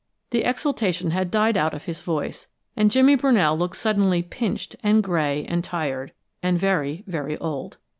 The exultation had died out of his voice, and Jimmy Brunell looked suddenly pinched and gray and tired, and very, very old.